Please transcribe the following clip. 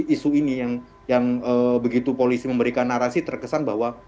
isu ini yang begitu polisi memberikan narasi terkesan bahwa